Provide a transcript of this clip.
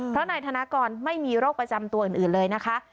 เพราะนายธนากรไม่มีโรคประจำตัวอื่นเลยนะคะ